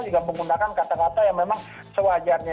juga menggunakan kata kata yang memang sewajarnya